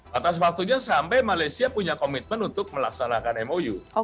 batas waktunya sampai malaysia punya komitmen untuk melaksanakan mou